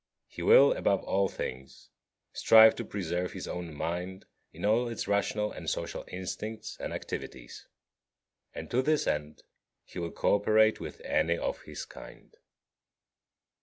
He will, above all things, strive to preserve his own mind in all its rational and social instincts and activities; and to this end he will co operate with any of his kind.